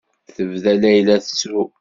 Tebda Layla tettru.